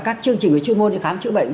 các chương trình chuyên môn như khám chữa bệnh